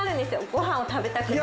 ご飯を食べたくなる。